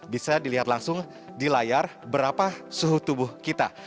bisa dilihat langsung di layar berapa suhu tubuh kita